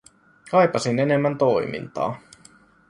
Kaipasin enemmän toimintaa.